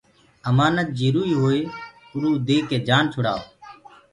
امآنت جروئي هوئي اروئو ديڪي جآن ڇڙائو